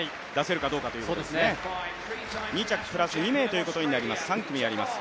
２着プラス２名ということになります。